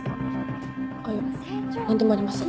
あっ何でもありません。